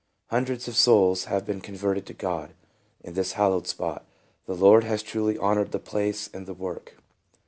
Hundreds of souls have PRESENT SAL VA TION. 7 7 been converted to God in this hallowed spot. The Lord has truly honored the place and the work.